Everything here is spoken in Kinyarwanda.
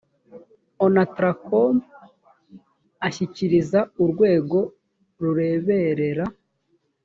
onatracom ashyikiriza urwego rureberera